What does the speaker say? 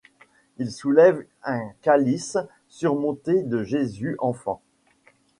Ils soulèvent un calice surmonté de Jésus Enfant.